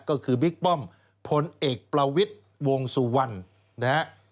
ก็คือบิ๊กป้อมพลเอกประวิทย์วงสุวรรณนะฮะ